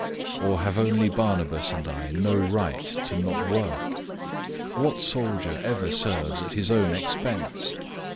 009:006 Or have only Barnabas and I no right to not work? 009:007 What soldier ever serves at his own expense?